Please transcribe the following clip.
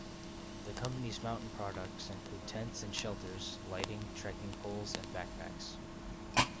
The company's mountain products include tents and shelters, lighting, trekking poles and backpacks.